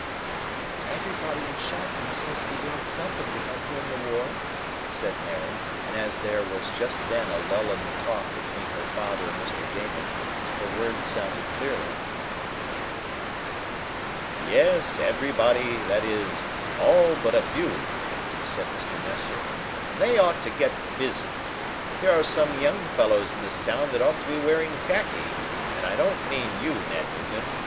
"Everybody in Shopton seems to be doing something to help win the war," said Mary, and as there was just then a lull in the talk between her father and Mr. Damon her words sounded clearly. "Yes, everybody that is, all but a few," said Mr. Nestor, "and they ought to get busy. There are some young fellows in this town that ought to be wearing khaki, and I don't mean you, Ned Newton.